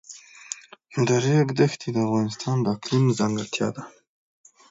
د ریګ دښتې د افغانستان د اقلیم ځانګړتیا ده.